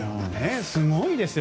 すごいですよ。